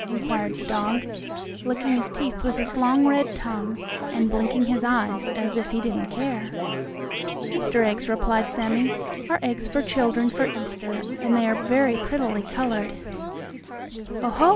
inquired the dog, licking his teeth with his long red tongue, and blinking his eyes, as if he didn't care. "Easter eggs," replied Sammie, "are eggs for children for Easter, and they are very prettily colored." "Oh, ho!"